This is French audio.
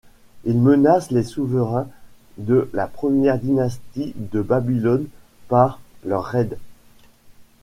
Ils menacent les souverains de la Première Dynastie de Babylone par leurs raids.